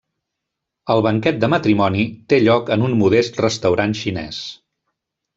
El banquet de matrimoni té lloc en un modest restaurant xinès.